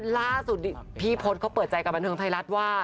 ล่าสุดพี่พศเขาเปิดใจกับบันเทิงไทยรัฐว่า